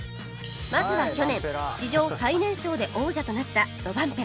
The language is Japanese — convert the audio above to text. まずは去年史上最年少で王者となったロバンペラ